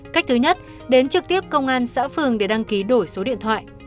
cách thứ nhất đến trực tiếp công an xã phường để đăng ký đổi số điện thoại